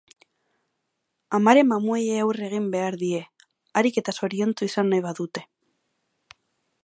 Amaren mamuei aurre egin beharko die, harik eta zoriontzu izan nahi badute.